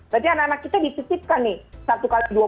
berarti anak anak kita dititipkan nih